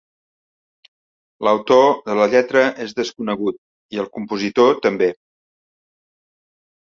L'autor de la lletra és desconegut, i el compositor també.